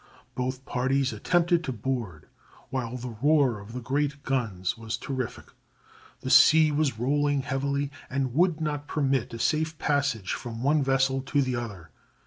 Both parties attempted to board, while the roar of the great guns was terrific. The sea was rolling heavily, and would not permit a safe passage from one vessel to the other.